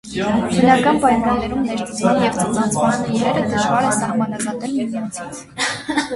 Բնական պայմաններում ներծծման և ծծանցման փուլերը դժվար է սահմանազատել միմյանցից։